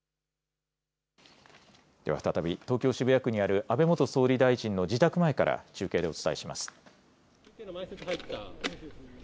では再び東京渋谷区にある安倍元総理大臣の自宅前から中継でお伝えします。